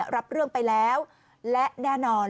รับเรื่องไปแล้วและแน่นอน